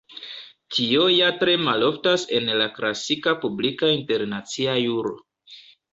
Tio ja tre maloftas en la klasika publika internacia juro.